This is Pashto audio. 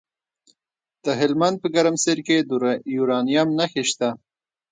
د هلمند په ګرمسیر کې د یورانیم نښې شته.